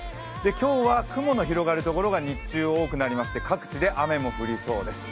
今日は雲の広がる所が日中多くなりまして各地で雨も降りそうです。